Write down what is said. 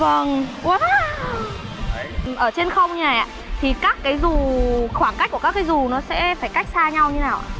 vâng wow ở trên không như này ạ thì các cái dù khoảng cách của các cái dù nó sẽ phải cách xa nhau như thế nào ạ